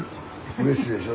うれしいでしょ？